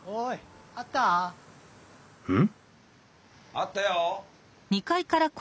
・あったよ！